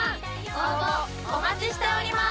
応募お待ちしております！